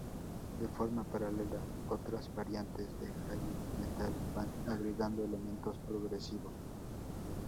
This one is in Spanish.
De forma paralela, otras variantes del heavy metal van agregando elementos progresivos.